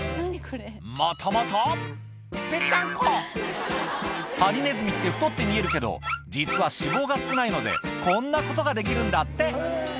またまたぺっちゃんこハリネズミって太って見えるけど実は脂肪が少ないのでこんなことができるんだって